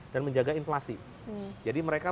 dan menjaga inflasi jadi mereka